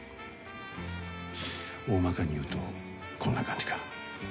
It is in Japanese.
大まかに言うとこんな感じか？